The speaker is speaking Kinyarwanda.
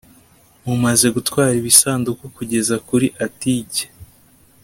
mumaze gutwara ibisanduku kugeza kuri atike